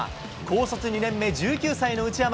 高卒２年目、１９歳の内山。